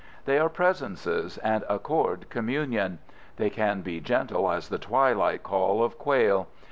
They are presences, and accord communion. They can be gentle as the twilight call of quail.